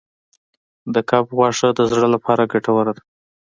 د کب غوښه د زړه لپاره ګټوره ده.